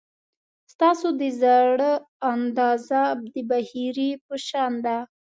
ستاسو د زړه اندازه د بحیرې په شان ده.